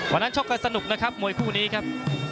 ชกกันสนุกนะครับมวยคู่นี้ครับ